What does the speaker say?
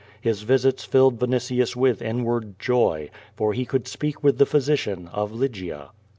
His visits filled Vinitius with inward joy, for he could speak with the physician of Lygia.